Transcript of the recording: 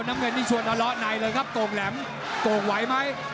น้ำเงินนี่ชวนละล้อไหนเลยครับกรงแหลมกรงไหวไหม